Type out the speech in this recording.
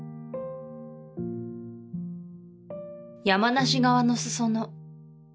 山梨側の裾野